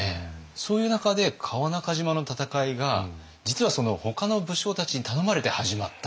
そういう中で川中島の戦いが実はほかの武将たちに頼まれて始まった。